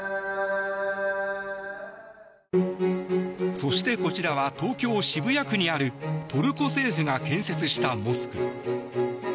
そして、こちらは東京・渋谷区にあるトルコ政府が建設したモスク。